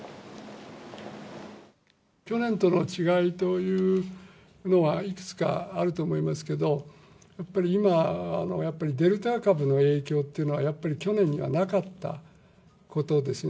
去年との違いというのは、いくつかあると思いますけど、やっぱり今、デルタ株の影響っていうのは、やっぱり去年にはなかったことですね。